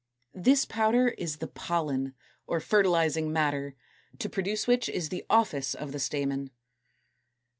This powder is the POLLEN, or fertilizing matter, to produce which is the office of the stamen.